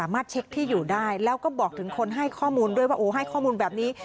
เพราะบอกถึงคนให้ข้อมูลด้วยว่าโอ้ให้ข้อมูลแบบนี้